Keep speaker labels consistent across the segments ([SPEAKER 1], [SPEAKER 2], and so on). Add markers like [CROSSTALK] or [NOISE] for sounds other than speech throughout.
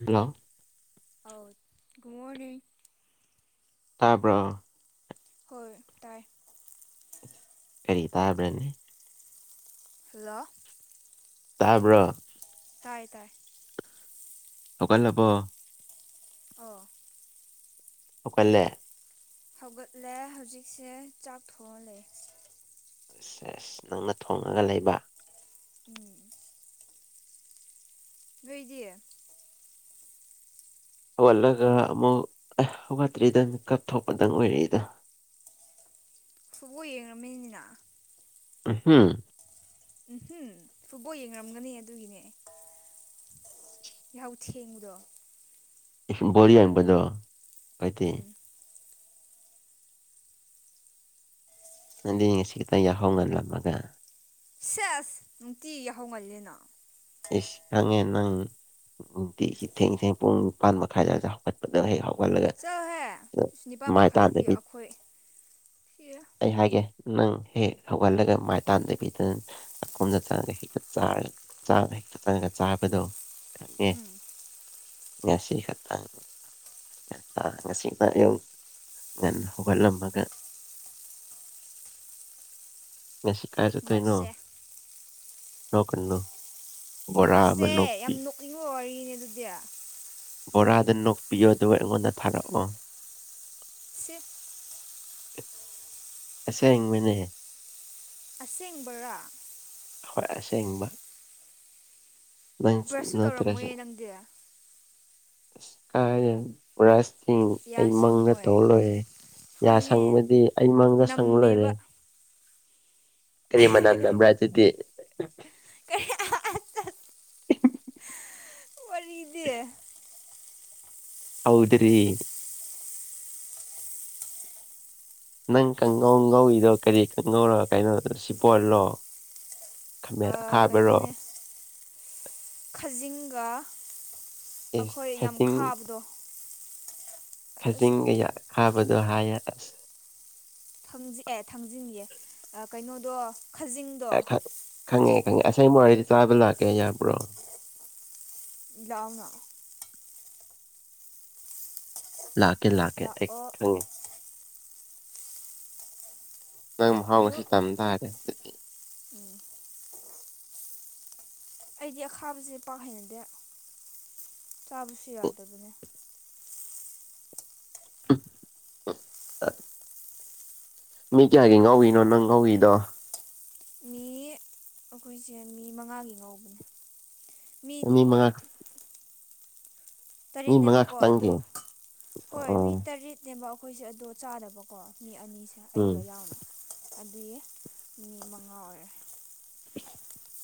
[SPEAKER 1] hello
[SPEAKER 2] ꯑꯧ good morning
[SPEAKER 1] ꯇꯕ꯭ꯔꯣ
[SPEAKER 2] ꯍꯣꯏ ꯇꯥꯏ
[SPEAKER 1] ꯀꯔꯤ ꯇꯥꯕ꯭ꯔꯅꯦ
[SPEAKER 2] ꯍꯜꯂꯣ
[SPEAKER 1] ꯇꯥꯕ꯭ꯔ
[SPEAKER 2] ꯇꯥꯏ ꯇꯥꯏ
[SPEAKER 1] ꯍꯧꯀꯜ ꯂꯄꯣ
[SPEAKER 2] ꯑꯣ
[SPEAKER 1] ꯑꯣꯀꯣꯂꯦ
[SPEAKER 2] ꯍꯧꯒꯠꯂꯦ ꯍꯧꯖꯤꯛꯁꯦ ꯆꯥꯛ ꯊꯣꯡꯍꯜꯂꯦ
[SPEAKER 1] ꯑꯁ ꯑꯁ ꯅꯪꯅ ꯊꯣꯡꯉꯒ ꯂꯩꯕ
[SPEAKER 2] ꯎꯝ ꯅꯣꯏꯗꯤ
[SPEAKER 1] ꯍꯧꯒꯠꯂꯒ ꯑꯃꯨꯛ ꯑꯦ ꯍꯧꯒꯠꯇ꯭ꯔꯤꯗꯪ ꯀꯞꯊꯣꯛꯄꯗꯪ ꯑꯣꯏꯔꯛꯏꯗ [INAUDIBLE]
[SPEAKER 2] ꯁꯨꯕꯣ ꯌꯦꯡꯝꯃꯤꯅꯤꯅ
[SPEAKER 1] ꯎꯝ
[SPEAKER 2] ꯎꯝꯍꯝ ꯐꯨꯠꯕꯣꯜ ꯌꯦꯡꯅꯔꯝꯒꯅꯤ ꯑꯗꯨꯒꯤꯅꯦ ꯑꯩ ꯌꯥꯍꯧ ꯊꯦꯡꯕꯗꯣ
[SPEAKER 1] ꯣꯔꯤ ꯍꯥꯏꯡꯄꯗꯣ ꯀꯥꯏꯇ
[SPEAKER 2] ꯎꯝ
[SPEAKER 1] ꯅꯗꯤ ꯉꯁꯤ ꯈꯤꯇ ꯌꯥꯍꯧ ꯉꯜꯂꯝꯃꯒ
[SPEAKER 2] ꯁꯦꯁ ꯅꯨꯡꯇꯤ ꯌꯥꯍꯧꯒꯜꯂꯤꯅꯥ
[SPEAKER 1] ꯏꯁꯀꯉꯦ ꯅꯏ ꯅꯨꯡꯇꯤ ꯏꯊꯦꯡ ꯏꯊꯦꯡ ꯄꯨꯡ ꯅꯤꯄꯥꯟ ꯃꯈꯥꯏꯗꯋꯥꯗ ꯍꯧꯒꯠꯄꯗ ꯍꯦꯛ ꯍꯥꯎ
[SPEAKER 2] ꯆꯠꯥꯛꯍꯦ ꯂꯤꯁꯤꯡ ꯅꯤꯄꯥꯜ ꯃꯈꯥꯏꯗꯤ
[SPEAKER 1] ꯇꯥꯟꯗꯕꯤ
[SPEAKER 2] ꯑꯩꯈꯣꯏ ꯁꯤ
[SPEAKER 1] ꯑꯩ ꯍꯥꯏꯒꯦ ꯅꯪ ꯍꯦꯛ ꯍꯧꯒꯠꯂꯒ ꯃꯥꯏ ꯇꯥꯟꯗꯕꯤꯗꯪ ꯑꯈꯣꯝꯗ ꯆꯥꯉꯒ ꯍꯦꯛꯇ ꯆꯥꯔꯦ ꯆꯥ ꯍꯦꯛꯇ ꯆꯪꯉꯒ ꯆꯥꯕꯗꯣ ꯈꯪꯉꯦ
[SPEAKER 2] ꯎꯝ
[SPEAKER 1] ꯉꯁꯤ ꯈꯠꯇ ꯇꯥ ꯉꯁꯤꯗ ꯌꯧ ꯉꯟ ꯍꯨꯒꯂꯃꯒ ꯁꯀꯥꯏꯁꯇꯩꯅꯣ
[SPEAKER 2] ꯅꯣꯛꯁꯦ
[SPEAKER 1] ꯔꯣꯀꯟꯅꯣ
[SPEAKER 2] ꯅꯣꯛꯁꯦ ꯌꯥꯝ ꯅꯣꯛꯀꯤꯉ ꯋꯥꯔꯤꯅꯦ ꯑꯗꯨꯗꯤ
[SPEAKER 1] ꯕꯣꯔꯥꯗ ꯅꯣꯛꯄꯤꯌꯣ ꯑꯗꯨꯕꯨ ꯑꯩꯉꯣꯟꯗ ꯊꯥꯔꯛꯑꯣ
[SPEAKER 2] ꯁꯤꯐ
[SPEAKER 1] ꯑꯁꯥ ꯏꯪꯃꯅꯦ ꯍꯥꯏ
[SPEAKER 2] ꯑꯁꯦꯡꯕꯔꯥ
[SPEAKER 1] ꯍꯣꯏ ꯑꯁꯦꯡꯕ
[SPEAKER 2] ꯕ꯭ꯔꯁꯁꯨ
[SPEAKER 1] ꯅꯠꯇ꯭ꯔꯁꯨ
[SPEAKER 2] ꯇꯧꯔꯝꯃꯣꯏꯌꯦ ꯅꯪꯗꯤ
[SPEAKER 1] ꯀ ꯁꯤꯡ
[SPEAKER 2] ꯌꯥ
[SPEAKER 1] ꯑꯩ ꯃꯪꯗ
[SPEAKER 2] ꯁꯦꯡꯉꯝꯃꯣꯏ
[SPEAKER 1] ꯇꯧꯍ ꯂꯣꯏꯔꯦ ꯌꯥ
[SPEAKER 2] ꯍꯣꯏꯅꯦ
[SPEAKER 1] ꯁꯪꯕꯗꯤ ꯑꯩ ꯃꯪꯗ ꯁꯪ ꯂꯣꯏꯔꯦ
[SPEAKER 2] ꯅꯝꯃꯦꯕ
[SPEAKER 1] ꯀꯔꯤ ꯃꯅꯝ ꯅꯝꯕ꯭ꯔꯥ ꯑꯗꯨꯗꯤ
[SPEAKER 2] ꯀ [UNINTELLIGIBLE] ꯋꯥꯔꯤꯗꯤ
[SPEAKER 1] ꯍꯥꯎꯗ꯭ꯔꯔꯤ ꯅꯪ ꯀꯥꯡꯉꯧ ꯀꯧꯏꯗꯣ ꯀꯔꯤ ꯀꯥꯡꯪꯉꯧꯔꯣ ꯀꯩꯅꯣꯗ ꯁꯤꯄꯣꯜꯂꯣ
[SPEAKER 2] ꯀꯩꯅꯣꯅꯦ ꯈꯥꯖꯤꯡꯒ
[SPEAKER 1] ꯑꯦꯁ
[SPEAKER 2] ꯑꯩꯈꯣꯏ ꯌꯥꯝ ꯈꯥꯕꯗꯣ ꯁꯨꯝ
[SPEAKER 1] ꯈꯖꯤꯡꯒ ꯍꯥꯥꯕꯗꯣ ꯍꯥꯏꯑꯁ
[SPEAKER 2] ꯊꯥꯡꯖ ꯑꯦ ꯊꯥꯡꯖꯤꯟꯑꯦ ꯀꯩꯅꯣꯗꯣ ꯈꯥꯖꯤꯡꯗꯣ
[SPEAKER 1] ꯈꯪꯉꯦ ꯈꯪꯉꯦ ꯑꯁꯥꯏ ꯋꯥꯔꯤꯔꯤꯗ ꯆꯥꯕ ꯂꯥꯛꯀꯦ ꯌꯥꯕ꯭ꯔꯣ
[SPEAKER 2] ꯌꯥꯎꯅ
[SPEAKER 1] ꯂꯥꯛꯀꯦ ꯂꯥꯛꯀꯦ
[SPEAKER 2] ꯂꯥꯛꯑꯣ
[SPEAKER 1] ꯅꯪ
[SPEAKER 2] ꯂꯥꯛꯄꯤꯌꯨ
[SPEAKER 1] ꯃꯍꯥꯎꯁꯤ ꯇꯝ ꯇꯥꯔꯦ ꯑꯗꯨꯗꯤ
[SPEAKER 2] ꯎꯝ ꯑꯩꯗꯤ ꯑꯈꯥꯕꯁꯦ ꯄꯥꯛ ꯍꯩꯅꯗꯦ ꯆꯥꯕꯁꯨ ꯌꯥꯗꯕꯅꯦ
[SPEAKER 1] [UNINTELLIGIBLE] ꯃꯤ ꯀꯌꯥꯒꯤ ꯉꯧꯏꯅꯣ ꯅꯪ ꯉꯧꯏꯗꯣ
[SPEAKER 2] ꯃꯤ ꯑꯩꯈꯣꯏꯁꯦ ꯃꯤ ꯃꯉꯥꯒꯤ ꯉꯧꯕꯅꯦ ꯃꯤ
[SPEAKER 1] ꯑ ꯃꯉ
[SPEAKER 2] ꯇꯔꯦꯠꯅꯦꯕꯀꯣ ꯑꯗꯨ
[SPEAKER 1] ꯈꯛꯇꯪꯒꯤ
[SPEAKER 2] ꯍꯣꯏ ꯃꯤ
[SPEAKER 1] ꯑꯣ
[SPEAKER 2] ꯇꯔꯦꯠꯅꯦꯕ ꯑꯩ ꯑꯩꯈꯣꯏꯁꯦ ꯑꯗꯣ ꯆꯥꯗꯕꯀꯣ ꯃꯤ ꯑꯅꯤꯁꯦ
[SPEAKER 1] ꯎꯝ
[SPEAKER 2] ꯑꯩꯒ ꯌꯥꯎꯅ ꯑꯗꯨꯗꯤ ꯃꯤ ꯃꯉꯥ ꯑꯣꯏꯔꯦ
[SPEAKER 1] [UNINTELLIGIBLE] [UNINTELLIGIBLE]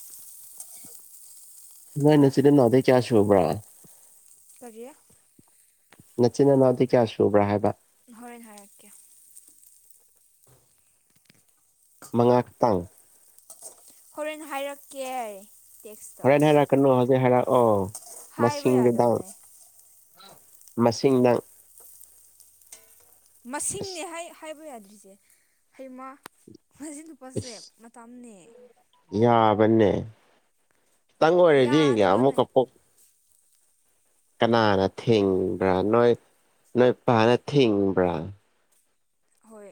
[SPEAKER 1] ꯅꯥꯏꯅꯁꯤꯗꯦꯟ ꯅꯗꯩ ꯀꯌꯥꯁꯕ꯭ꯔꯥ
[SPEAKER 2] ꯇꯔꯌꯥ
[SPEAKER 1] ꯅꯆꯤꯟ ꯏꯅꯥꯎꯗꯤ ꯀꯌꯥ ꯁꯨꯕ꯭ꯔꯥ ꯍꯥꯏꯕ
[SPEAKER 2] ꯍꯣꯏ ꯍꯥꯏꯔꯛꯀꯦ
[SPEAKER 1] ꯃꯉꯥ ꯇꯥꯡ
[SPEAKER 2] ꯍꯣꯔꯦꯟ ꯍꯥꯏꯔꯛꯀꯦ ꯇꯦꯛꯁꯇ
[SPEAKER 1] ꯍꯣꯔꯦꯟ ꯍꯥꯏꯔꯛꯀꯅꯣ ꯍꯧꯖꯤꯛ ꯍꯥꯏꯔꯛꯑꯣ
[SPEAKER 2] ꯍꯥꯏꯕ ꯌꯥꯗꯕꯅꯦ
[SPEAKER 1] ꯃꯁꯤꯡꯅ ꯑꯁ
[SPEAKER 2] ꯃꯁꯤꯡꯅꯦ ꯍꯥꯏꯕ ꯌꯥꯗ꯭ꯔꯤꯁꯦ ꯍꯩꯃ ꯃꯁꯤ ꯅꯨꯄꯥꯁꯦ
[SPEAKER 1] ꯑꯁ
[SPEAKER 2] ꯃꯇꯝꯅꯦ
[SPEAKER 1] ꯌꯥꯕꯅꯦ ꯇꯪ ꯑꯣꯏꯔꯦꯗꯤꯒ
[SPEAKER 2] ꯌꯥꯗꯕꯅꯦ
[SPEAKER 1] ꯑꯃꯨꯛꯀꯣꯛ ꯀꯅꯥꯅ ꯊꯤꯡꯕ꯭ꯔꯥ ꯅꯣꯏ ꯅꯣꯏ ꯄꯅ ꯊꯤꯡꯕ꯭ꯔꯥ
[SPEAKER 2] ꯍꯣꯏ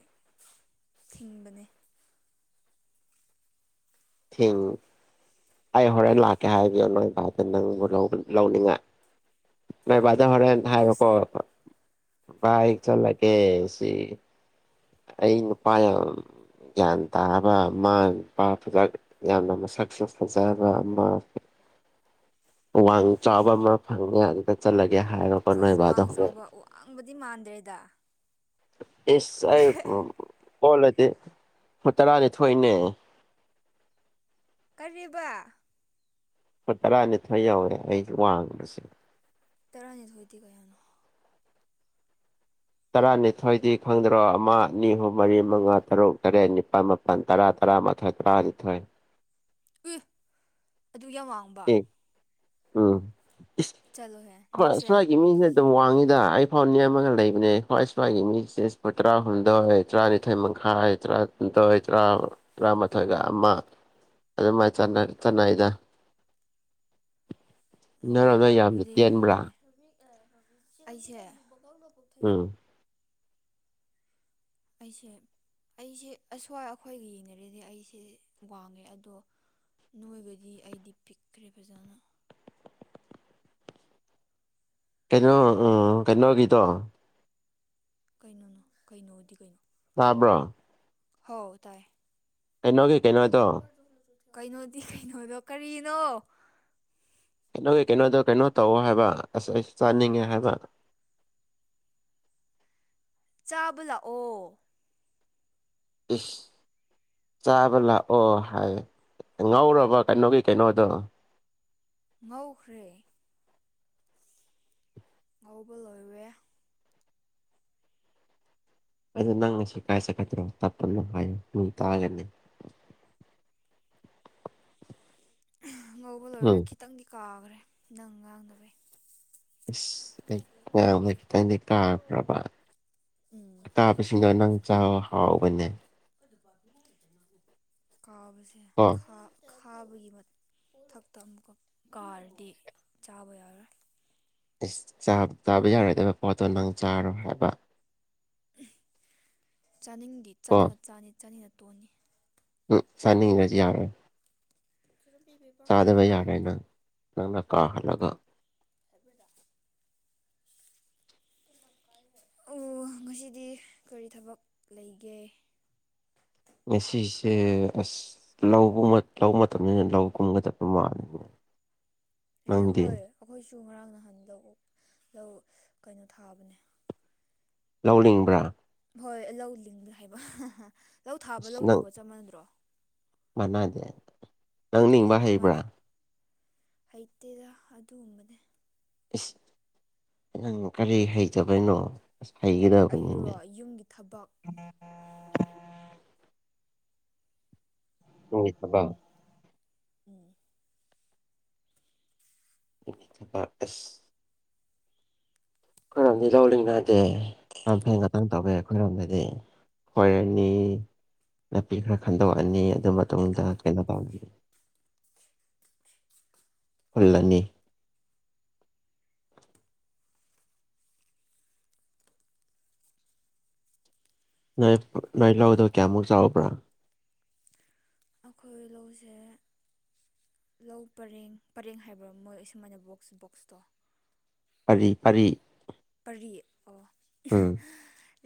[SPEAKER 2] ꯊꯤꯡꯕꯅꯦ
[SPEAKER 1] ꯊꯦꯡ ꯑꯩ ꯍꯣꯔꯦꯟ ꯂꯥꯛꯀꯦ ꯍꯥꯏꯕꯤ ꯅꯪꯚꯥꯎꯗ ꯅꯪꯕꯨ ꯂꯧꯅꯤꯡꯉꯥꯏ ꯃ
[SPEAKER 2] ꯎꯝ
[SPEAKER 1] ꯖ ꯍꯔꯦꯟ ꯍꯥꯏꯔꯣꯀꯣ
[SPEAKER 2] ꯅꯣꯛꯁꯦ
[SPEAKER 1] ꯏꯛ ꯆꯂꯒꯦꯁꯤ ꯑꯩꯩꯅ ꯄꯥꯏꯝ ꯒ꯭ꯌꯥꯟ ꯇꯥꯕ ꯃ ꯏꯄꯥ ꯐꯖꯛ ꯌꯥꯝꯅ ꯃꯁꯛ ꯐꯖꯕ ꯑꯃ [UNINTELLIGIBLE] ꯋꯥꯡ ꯆꯥꯎꯥꯕ ꯑꯃ ꯐꯪꯉꯦ ꯑꯗꯨꯗ ꯆꯠꯂꯒꯦ ꯍꯥꯏꯔꯣꯀꯣ ꯅꯣꯏ
[SPEAKER 2] ꯁꯤꯁ
[SPEAKER 1] ꯕꯥꯗ
[SPEAKER 2] ꯋꯥꯡ
[SPEAKER 1] ꯍꯣꯔꯦꯟ
[SPEAKER 2] ꯆꯥꯎꯕ ꯋꯥꯡꯕꯗꯤ ꯃꯥꯟꯗ꯭ꯔꯦꯗ
[SPEAKER 1] ꯑꯦ ꯑꯣꯂ ꯍꯨ ꯇꯔꯥꯅꯤ ꯊꯣꯏꯅꯦ
[SPEAKER 2] ꯀꯔꯤꯕ
[SPEAKER 1] ꯍꯣꯏ ꯇꯔꯥꯅꯤ ꯊ ꯌꯥꯎꯋꯦ ꯑꯩ ꯋꯥꯡꯁꯦ
[SPEAKER 2] ꯇꯔꯅꯤ ꯊꯣꯏꯇ ꯀꯌꯥꯅ
[SPEAKER 1] ꯇꯔꯥꯅꯤꯊꯣꯏꯗꯤ ꯈꯪꯗ꯭ꯔꯣ ꯑꯃ ꯅꯤꯍꯨꯝ ꯃꯔꯤ ꯃꯉꯥ ꯇꯔꯨꯛ ꯇꯔꯦꯠ ꯅꯤꯄꯥꯜ ꯃꯥꯄꯜ ꯇꯔꯥ ꯇꯔꯨ ꯇ ꯃꯊ ꯇ ꯔꯥꯖꯤ
[SPEAKER 2] ꯎ ꯑꯗꯨ ꯌꯥꯝ ꯋꯥꯡꯕ
[SPEAKER 1] ꯑꯦ
[SPEAKER 2] ꯆꯠꯂꯣꯍꯦ
[SPEAKER 1] ꯎꯝ
[SPEAKER 2] ꯅꯣꯛꯁꯦ
[SPEAKER 1] ꯁꯃꯒꯤ ꯃꯤ ꯑꯗꯨꯝ ꯋꯥꯡꯉꯤꯗ ꯑꯩ ꯐꯥꯎꯅꯤ ꯑꯃꯒ ꯂꯩꯕꯅꯦ ꯁ꯭ꯋꯥꯏ ꯁ꯭ꯋꯥꯏꯒꯤ ꯃꯤ ꯆꯦꯐꯨ ꯇꯔꯥꯍꯨꯝꯗꯣꯏ ꯇꯔꯥꯅꯤꯊꯣꯏꯃꯨꯛ ꯈꯆꯔꯥꯔ ꯃꯊꯒ ꯑꯗꯨꯃꯥꯏ ꯆ ꯆꯠꯅꯏꯗ ꯅꯔꯅ ꯌꯥꯝꯅ
[SPEAKER 2] ꯑꯗꯨꯗꯤ ꯌꯥꯝ
[SPEAKER 1] ꯇꯦꯟꯕ꯭ꯔꯥ
[SPEAKER 2] ꯋꯥꯡꯉꯦ ꯑꯩꯁꯦ
[SPEAKER 1] ꯎꯝ [INAUDIBLE]
[SPEAKER 2] ꯑꯩꯁꯦ ꯑꯩꯁꯦ ꯑꯁ꯭ꯋꯥꯏ ꯑꯩꯈꯣꯏꯒ ꯌꯦꯡꯅꯔꯤꯗꯤ ꯑꯩꯁꯦ ꯋꯥꯡꯉꯦ ꯑꯗꯣ ꯅꯣꯏꯕꯗꯤ ꯑꯩꯗꯤ ꯄꯤꯛꯈ꯭ꯔꯦ ꯐꯖꯅ
[SPEAKER 1] ꯀꯩꯅꯣ ꯎꯝ ꯀꯩꯅꯣ ꯀꯇꯣ
[SPEAKER 2] ꯀꯩꯅꯣꯅꯣ ꯀꯩꯅꯣꯗꯤ ꯀꯩꯅꯣ
[SPEAKER 1] ꯇꯥꯕ꯭ꯔꯣ
[SPEAKER 2] ꯍ ꯇꯥꯏ
[SPEAKER 1] ꯑꯦꯅꯣ ꯀ ꯀꯩꯅꯣ ꯇꯣ
[SPEAKER 2] ꯀꯩꯅꯣꯗꯤ ꯀꯩꯅꯣꯗꯣ ꯀꯔꯤꯅꯣ
[SPEAKER 1] ꯀꯩꯅꯣꯒꯤ ꯀꯩꯅꯣꯗꯣ ꯀꯩꯅꯣ ꯇꯧꯑꯣ ꯍꯥꯏꯕ ꯑꯁ ꯑꯩ ꯆꯥꯅꯤꯡꯉꯦ ꯍꯥꯏꯕ [INAUDIBLE]
[SPEAKER 2] ꯆꯥꯕ ꯂꯥꯛꯑꯣ
[SPEAKER 1] ꯑꯁ ꯆꯥꯕ ꯂꯥꯛꯑꯣ ꯍꯥꯏ ꯉꯧꯔꯕ ꯀꯩꯅꯣꯒꯤ ꯀꯩꯅꯣꯗꯣ
[SPEAKER 2] ꯃꯧꯈ꯭ꯔꯦ ꯉꯧꯕ ꯂꯣꯏꯋꯦ
[SPEAKER 1] ꯑꯗ ꯅꯪ ꯆ ꯀꯥꯏꯁ ꯈꯇꯔꯣ ꯇꯞꯂꯝ ꯍꯥꯏꯌꯣ ꯃꯤ ꯇꯥꯒꯟꯅꯅꯤ
[SPEAKER 2] ꯉꯧꯕ ꯂꯣꯏꯔꯦ
[SPEAKER 1] ꯎꯝ
[SPEAKER 2] ꯈꯤꯇꯪꯗꯤ ꯀꯥꯈ꯭ꯔꯦ ꯅꯪ ꯉꯥꯡꯅꯕꯩ
[SPEAKER 1] ꯏꯁ ꯑꯩ ꯃꯌꯥꯝꯅ ꯈꯤꯇꯪꯅꯦ ꯀꯥꯔꯕ꯭ꯔꯕ
[SPEAKER 2] ꯎꯝ
[SPEAKER 1] ꯑꯇꯥꯕꯁꯤꯡꯗꯣ ꯅꯪ ꯆ ꯍꯥꯎꯕꯅꯦ
[SPEAKER 2] ꯀꯥꯕꯁꯦ
[SPEAKER 1] ꯀꯣ
[SPEAKER 2] ꯈꯥ ꯊꯥꯕꯒꯤ ꯃꯊꯛꯇ ꯑꯃꯨꯛꯀ ꯀꯥꯔꯗꯤ ꯆꯥꯕ ꯌꯥꯔꯣꯏ
[SPEAKER 1] ꯆꯥꯕ ꯌꯥꯔꯣꯏꯗꯕ ꯄꯣꯠꯇꯣ ꯅꯪ ꯆꯥꯔꯣ ꯍꯥꯏꯕ
[SPEAKER 2] ꯆꯥꯅꯤꯡꯗꯤ
[SPEAKER 1] ꯀꯣ
[SPEAKER 2] ꯆꯥꯅꯤꯡꯉ ꯆꯥꯅꯤ ꯆꯥꯅꯤꯡꯅ ꯇꯣꯟꯅꯤ
[SPEAKER 1] ꯎꯝ ꯐꯅꯤꯡꯗ ꯌꯥꯔꯦ ꯆꯥꯗꯕ ꯌꯥꯔꯦ ꯅꯪ ꯅꯪꯅ ꯀꯥꯍꯜꯂꯒ [INAUDIBLE]
[SPEAKER 2] ꯑꯣ ꯉꯁꯤꯗꯤ ꯀꯔꯤ ꯊꯕꯛ ꯂꯩꯒꯦ
[SPEAKER 1] ꯉꯁꯤꯁꯦ ꯑꯁ ꯂꯧꯒꯕ ꯂ ꯃꯇꯝꯅꯤꯅ ꯂꯧꯒꯨꯝꯒꯗꯕ ꯃꯥꯜꯂꯤꯅꯦ
[SPEAKER 2] ꯑꯦ
[SPEAKER 1] ꯅꯪꯗꯤ
[SPEAKER 2] ꯍꯣꯏ ꯑꯩꯈꯣꯏꯁꯨ ꯉꯔꯥꯡ ꯅꯍꯥꯟ ꯂꯧ ꯂꯧ ꯀꯩꯅꯣ ꯊꯥꯕꯅꯦ
[SPEAKER 1] ꯂꯧꯅꯤꯡꯕ꯭ꯔꯥ
[SPEAKER 2] ꯍꯣꯏ ꯂꯧ ꯂꯤꯡꯕ ꯍꯥꯏꯕ ꯂꯧ ꯊꯥꯕ ꯂꯧ ꯂꯤꯡꯕ ꯆꯞ ꯃꯥꯟꯅꯗ꯭ꯔꯣ
[SPEAKER 1] ꯃꯅꯗꯦ ꯅꯪ
[SPEAKER 2] ꯀꯩ
[SPEAKER 1] ꯅꯤꯡꯕ ꯍꯩꯕ꯭ꯔꯥ
[SPEAKER 2] ꯀꯃꯥꯏꯅ ꯍꯩꯇꯦꯗ ꯑꯗꯨꯒꯨꯝꯕꯅꯦ
[SPEAKER 1] ꯏꯁ ꯅꯪ ꯀꯔꯤ ꯍꯩꯇꯕꯅꯣ ꯁꯥꯏꯒꯦꯗꯕꯅꯤ
[SPEAKER 2] ꯑꯩꯔꯣ ꯌꯨꯝꯒꯤ ꯊꯕꯛ
[SPEAKER 1] ꯍꯗ
[SPEAKER 2] ꯎ
[SPEAKER 1] ꯑꯦꯁ ꯑꯩꯈꯣꯏꯔꯣꯝꯗꯤ ꯇꯧꯜꯂꯤꯉꯠꯇꯦ ꯌꯥꯝ ꯐꯦꯟ ꯈꯇꯪ ꯇꯧꯋꯦ ꯑꯩꯈꯣꯏꯔꯣꯝꯗꯗꯤ ꯍꯔꯅꯤ ꯅꯥꯄꯤ ꯈꯔ ꯈꯟꯗꯣꯛꯑꯅꯤ ꯑꯗꯨ ꯃꯇꯨꯡꯗ ꯈꯦꯟꯅ ꯄꯅꯤ ꯍꯨꯜꯂꯅꯤ ꯅꯣꯏ ꯅꯣꯏ ꯂꯥꯛꯗꯕ ꯀꯌꯥꯃꯨꯛ ꯆꯥꯎꯥꯛꯕ꯭ꯔꯥ
[SPEAKER 2] ꯑꯩꯈꯣꯏ ꯂꯧꯁꯦ ꯂꯧ ꯄꯔꯦꯡ ꯄꯔꯦꯡ ꯍꯥꯏꯕ꯭ꯔꯥ ꯃꯣꯏ ꯑꯃꯥꯏꯅꯕ ꯕꯣꯛꯁꯇꯣ
[SPEAKER 1] ꯄꯔꯤ ꯄꯔꯤ
[SPEAKER 2] ꯄꯔꯤ ꯑꯣ
[SPEAKER 1] ꯑꯝ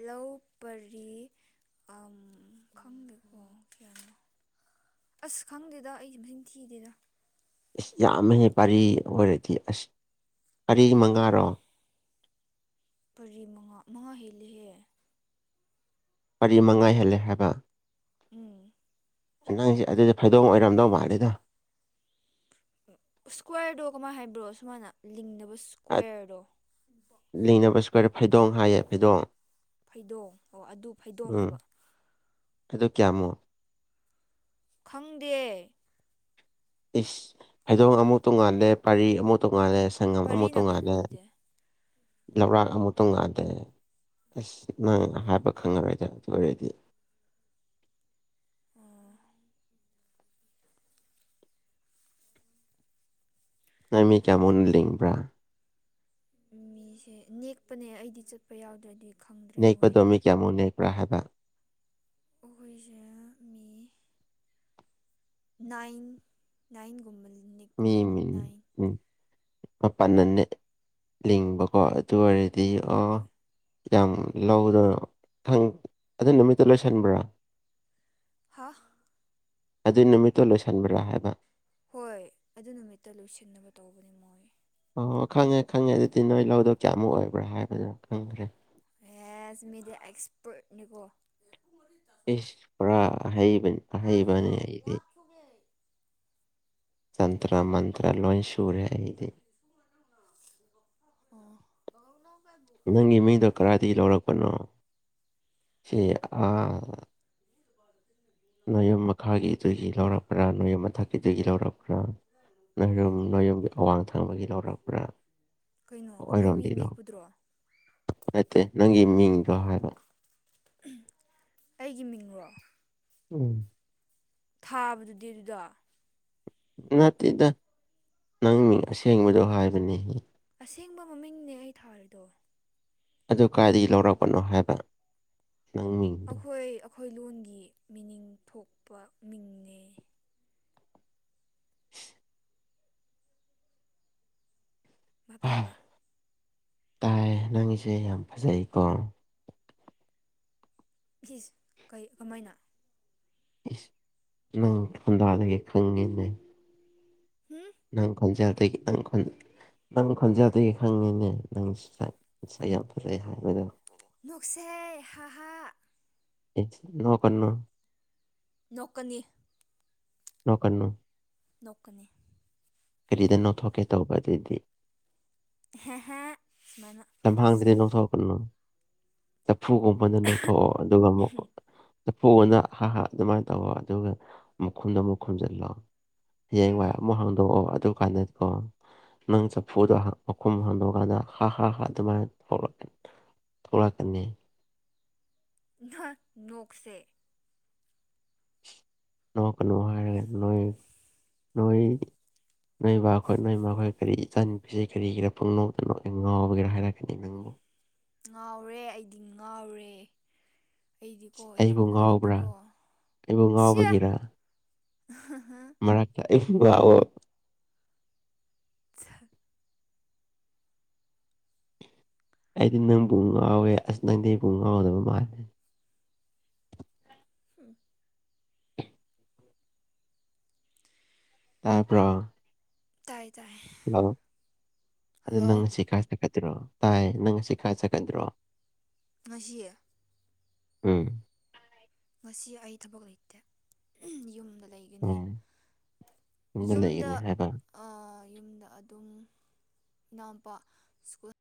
[SPEAKER 2] ꯂꯧ ꯄꯔꯤ ꯈꯪꯗꯦꯀꯣ ꯀꯌꯥꯅꯣ ꯑꯁ ꯈꯪꯗꯦꯗ ꯑꯩꯁ ꯟ ꯊꯤꯗꯦꯗ
[SPEAKER 1] ꯑꯁ ꯌꯥꯝꯃꯍꯦ ꯄꯥꯔꯤ ꯑꯣꯏꯔꯗꯤ ꯑꯁ ꯄꯔꯤ ꯃꯉꯥꯔꯣ
[SPEAKER 2] ꯄꯔꯤ ꯃꯉꯥ ꯃꯉꯥ ꯍꯦꯜꯂꯍꯦ
[SPEAKER 1] ꯄꯔꯤ ꯃꯉꯥ ꯍꯦꯜꯂꯦ ꯍꯥꯏꯕ
[SPEAKER 2] ꯎꯝ
[SPEAKER 1] ꯅꯪꯁꯦ ꯑꯗꯨꯗ ꯐꯩꯗꯣꯡ ꯑꯣꯏꯔꯝꯗꯧ ꯃꯥꯜꯂꯦꯗ
[SPEAKER 2] ꯏꯁꯀ꯭ꯋꯥꯔꯗꯣ ꯀꯃꯥꯏꯅ ꯍꯥꯏꯕ꯭ꯔꯣ ꯁꯨꯃꯥꯏꯅ ꯂꯤꯡꯅꯕ ꯁ꯭ꯀ꯭ꯋꯔꯗꯣ
[SPEAKER 1] ꯔꯦ ꯐꯩꯗꯣꯡ ꯍꯥꯏꯌꯦ ꯐꯩꯗꯣꯡ
[SPEAKER 2] ꯐꯩꯗꯣꯡ ꯑꯣ ꯑꯗꯨ ꯐꯩꯗꯣꯡ ꯍꯥꯏꯕ
[SPEAKER 1] ꯑꯗꯨꯗ ꯀꯌꯥꯃꯣ
[SPEAKER 2] ꯈꯪꯗꯦ
[SPEAKER 1] ꯏꯁ ꯐꯩꯗꯣꯡ ꯑꯃꯨꯛ ꯇꯣꯡꯉꯥꯜꯂꯦ ꯄꯥꯔꯤ ꯑꯃꯨꯛ ꯇꯣꯡꯉꯥꯜꯂꯦ ꯁꯪꯉꯝ ꯑꯃꯨꯛ
[SPEAKER 2] ꯄꯔꯤꯅ
[SPEAKER 1] ꯇꯣꯡꯉꯥꯜꯂꯦ
[SPEAKER 2] ꯀꯩꯅꯣꯗꯨꯗꯤ
[SPEAKER 1] ꯂꯧꯔꯥꯛ ꯑꯃꯨꯛ ꯇꯣꯉꯥꯗꯦ ꯑꯁ ꯅꯪ ꯍꯥꯏꯕ ꯈꯪꯉꯔꯣꯏꯗ ꯑꯗꯨ ꯑꯣꯏꯔꯗꯤ
[SPEAKER 2] ꯑꯣ
[SPEAKER 1] ꯅꯃꯤ ꯀꯦꯃꯣꯟ ꯂꯤꯡꯕ꯭ꯔꯥ
[SPEAKER 2] ꯃꯤꯁꯦ ꯅꯦꯛꯄꯅꯦ ꯑꯩꯗꯤ ꯆꯠꯄ ꯌꯥꯎꯗ꯭ꯔꯦꯗꯤ
[SPEAKER 1] ꯅꯀꯣꯗꯃꯤ ꯀꯃꯣ ꯅ ꯄ꯭ꯔꯥ ꯍꯥꯏꯕ
[SPEAKER 2] ꯑꯣꯈꯣꯏꯁ ꯃꯤ ꯅꯥꯏꯟ ꯅꯥꯏꯟꯒꯨꯝꯕꯜ
[SPEAKER 1] ꯎ ꯎꯝ ꯃꯄꯜꯅꯟꯅ ꯂꯤꯡꯕꯀꯣ ꯑꯗꯨ ꯑꯣꯏꯔꯗꯤ ꯑꯣ
[SPEAKER 2] ꯍꯣꯏ
[SPEAKER 1] ꯌꯥꯝ ꯂꯧꯗꯣꯏꯅꯣꯪ ꯑꯗꯨ ꯅꯨꯃꯤꯠꯇ ꯂꯣꯏꯁꯤꯟꯕ꯭ꯔꯥ
[SPEAKER 2] ꯍꯥ
[SPEAKER 1] ꯑꯗꯨꯏ ꯅꯨꯃꯤꯠꯇꯨ ꯂꯣꯏꯁꯤꯟꯕꯔꯥ ꯍꯥꯏꯕ
[SPEAKER 2] ꯍꯣꯏ ꯑꯗꯨ ꯅꯨꯃꯤꯠꯇ ꯂꯣꯏꯁꯤꯟꯅꯕ ꯇꯧꯕꯅꯦ ꯃꯣꯏ
[SPEAKER 1] ꯑꯣꯣꯏ ꯈꯪꯉꯦ ꯈꯪꯉꯦ ꯑꯗꯨꯗꯤ ꯅꯣꯏ ꯂꯧꯗꯣ ꯀꯌꯥꯃꯨꯛ ꯑꯣꯏꯕ꯭ꯔꯥ ꯍꯥꯏꯕꯗꯨꯅ ꯈꯪꯈ꯭ꯔꯦ
[SPEAKER 2] ꯌꯥꯁ ꯃꯦꯗꯤ ꯑꯦꯛꯁꯄꯔꯠꯅꯤꯀꯣ
[SPEAKER 1] ꯏꯁ ꯄꯔꯥ ꯑꯍꯩꯕꯅꯦꯗ ꯇꯟ꯭ꯔ ꯃꯟ꯭ꯔ ꯂꯣꯟꯁ ꯁꯣꯔꯦꯗꯤ ꯅꯪꯒꯤ ꯃꯤꯗꯣ ꯀꯗꯥꯏꯗꯒꯤ ꯂꯧꯔꯛꯄꯅꯣ ꯁꯤ ꯅꯌꯨꯝ ꯃꯈꯥꯒꯤꯗꯨꯒꯤ ꯂꯧꯔꯛꯄ꯭ꯔꯥ ꯅꯌꯨꯝ ꯃꯊꯛꯀꯤꯗꯨꯒꯤ ꯂꯧꯔꯛꯄꯥ ꯅꯣꯏꯌꯨꯝꯒꯤ ꯑꯋꯥꯡ ꯊꯪꯕꯒꯤ ꯂꯧꯔꯛꯄ꯭ꯔꯥ
[SPEAKER 2] ꯀꯩꯅꯣ ꯑꯩꯈꯣꯏ ꯃꯤ ꯅꯦꯛꯄꯨꯗ꯭ꯔꯣ
[SPEAKER 1] ꯅꯇꯦ ꯅꯪꯒꯤ ꯃꯤꯡꯗꯣ ꯍꯥꯏꯔꯣ
[SPEAKER 2] ꯑꯩꯒꯤ ꯃꯤꯡꯔꯣ
[SPEAKER 1] ꯎꯝ
[SPEAKER 2] ꯊꯥꯕꯗꯨꯗꯤ ꯑꯗꯨꯗꯥ
[SPEAKER 1] ꯅꯠꯇꯦꯗ ꯅꯪ ꯃꯤꯡ ꯑꯁꯦꯡꯕꯗꯣ ꯍꯥꯏꯕꯅꯤ
[SPEAKER 2] ꯑꯁꯦꯡꯕ ꯃꯃꯤꯡꯅꯦ ꯑꯩ ꯊꯥꯔꯤꯗꯣ
[SPEAKER 1] ꯑꯗꯨ ꯀꯥꯏꯗꯒꯤ ꯂꯧꯔꯛꯄꯅꯣ ꯍꯥꯏꯕ ꯅꯪ ꯃꯤꯡꯗꯣ
[SPEAKER 2] ꯑꯩꯈꯣꯏ ꯑꯩꯈꯣꯏ ꯂꯣꯟꯒꯤ ꯃꯤꯅꯤꯡ ꯊꯣꯛꯄ ꯃꯤꯡꯅꯦ
[SPEAKER 1] [INAUDIBLE]
[SPEAKER 2] ꯉꯠꯇꯕꯥ
[SPEAKER 1] ꯇꯥꯏ ꯅꯪꯁꯦ ꯌꯥꯝ ꯐꯖꯩꯀꯣ
[SPEAKER 2] ꯌꯦꯁ ꯀ ꯀꯃꯥꯏꯅ
[SPEAKER 1] ꯏꯁ ꯅꯪ ꯊꯟꯗꯥꯒꯦ ꯈꯪꯉꯦꯅꯦ
[SPEAKER 2] ꯍꯨꯝ
[SPEAKER 1] [UNINTELLIGIBLE] ꯅꯪ ꯈꯣꯟꯖꯦꯜꯗꯒꯤ ꯈꯉꯅꯦ ꯅꯪ ꯐꯖ ꯍꯥꯏ
[SPEAKER 2] ꯅꯣꯛꯁꯦ ꯍꯥꯍꯥ
[SPEAKER 1] ꯅꯣꯛꯀꯅꯨ
[SPEAKER 2] ꯅꯣꯛꯀꯅꯤ
[SPEAKER 1] ꯅꯣꯛꯀꯥꯅꯨ
[SPEAKER 2] ꯅꯣꯛꯀꯅꯤ
[SPEAKER 1] ꯀꯔꯤꯗꯥ ꯅꯣꯛꯊꯣꯛꯀꯦ ꯇꯧꯕ ꯑꯗꯨꯗꯤ
[SPEAKER 2] ꯍꯦꯍꯦ ꯁꯨꯃꯥꯏꯅ
[SPEAKER 1] ꯌꯥꯝ ꯐꯪꯗꯗꯤ ꯅꯣꯡꯊꯣꯛꯀꯅꯨ ꯍꯐꯨꯒꯨꯝꯕꯅ ꯂꯧꯊꯣꯛꯑꯣ ꯑꯗꯨꯒ ꯑꯃꯨꯛ ꯂ ꯄꯣꯛꯑꯅ ꯍꯥ ꯍꯥ ꯑꯗꯨꯃꯥꯏꯅ ꯇꯧꯔ ꯑꯗꯨꯒ ꯃꯈꯨꯟꯗ ꯑꯃꯨꯛ ꯈꯨꯝꯖꯤꯜꯂꯣ ꯍꯌꯦꯡ ꯋꯥꯏ ꯑꯃꯨꯛ ꯍꯥꯡꯗꯣꯛꯑꯣ ꯑꯗꯨꯀꯥꯟꯗꯗꯤꯀꯣ ꯅꯪ ꯆꯐꯨꯗꯣ ꯃꯈꯨꯝ ꯍꯥꯡꯗꯣꯛꯑꯀꯥꯟꯗ ꯍꯥ ꯑꯗꯨꯃꯥꯏꯅ ꯊꯣꯛꯂꯛꯀꯅꯤ
[SPEAKER 2] ꯅꯣꯛ ꯁꯦ
[SPEAKER 1] ꯅꯣꯛꯀꯅꯨ ꯍꯥꯏꯔꯒꯥ ꯅꯣꯏ ꯅꯣꯏ ꯅꯣꯏꯕ ꯈꯣꯏ ꯅꯣꯏꯃꯥ ꯈꯣꯏ ꯀꯔꯤ ꯏꯆꯥ ꯅꯨꯨꯄꯤꯁ ꯀꯔꯤꯒꯤꯔꯥ ꯄꯨꯡꯅꯅꯣꯛꯇꯥ ꯅꯣꯛꯑꯦ ꯉꯥꯎꯕꯒꯤꯔꯥ ꯍꯥꯏꯔꯛꯀꯅꯤ ꯅꯪꯕꯨ
[SPEAKER 2] ꯉꯥꯎꯔꯦ ꯑꯩꯗꯤ ꯉꯥꯎꯔꯦ ꯑꯩꯗꯤꯀꯣ
[SPEAKER 1] ꯑꯩꯕꯨ
[SPEAKER 2] ꯌꯨꯝꯗ
[SPEAKER 1] ꯉꯥꯎꯕ꯭ꯔꯥ
[SPEAKER 2] ꯂꯩꯔꯗꯤꯀꯣ
[SPEAKER 1] ꯑꯩꯕꯨ
[SPEAKER 2] ꯁꯤꯌꯦ
[SPEAKER 1] ꯉꯥꯎꯕꯒꯤꯔ [UNINTELLIGIBLE] ꯑꯩꯗꯤ ꯅꯪꯕꯨ ꯉꯥꯎꯋꯦ ꯑꯁ ꯅꯪꯗꯤ ꯑꯩꯕꯨ ꯉꯥꯎꯗꯕ ꯃꯥꯜꯂꯦ
[SPEAKER 2] [INAUDIBLE]
[SPEAKER 1] ꯇꯥꯕꯔꯣ
[SPEAKER 2] ꯇꯥꯏ ꯇꯥꯏ
[SPEAKER 1] ꯍꯂꯣ ꯑꯗꯨ
[SPEAKER 2] ꯍꯜꯂꯣ
[SPEAKER 1] ꯅꯪ ꯁꯤ ꯀ ꯇꯥꯏ ꯅꯪ ꯁꯤ ꯀꯥꯏ ꯆꯠꯀꯗ꯭ꯔꯣ
[SPEAKER 2] ꯉꯥꯁꯤ
[SPEAKER 1] ꯎꯝ
[SPEAKER 2] ꯉꯁꯤ ꯑꯩ ꯊꯕꯛ ꯂꯩꯇꯦ ꯌꯨꯝꯗ ꯂꯩꯒꯅꯤ
[SPEAKER 1] ꯎꯝ
[SPEAKER 2] ꯌꯨꯝꯗ
[SPEAKER 1] ꯂꯩꯒꯅꯤ ꯍꯥꯏꯕ
[SPEAKER 2] ꯌꯨꯝꯗ ꯑꯗꯨꯝ ꯏꯅꯥꯎ ꯅꯨꯄꯥ ꯁꯀꯨꯜ